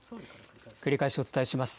繰り返しお伝えします。